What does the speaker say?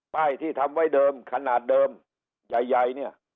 ป้ายที่ทำไว้เดิมขนาดเดิมใย